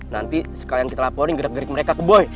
nanti sekalian kita laporin gerak gerik mereka ke boy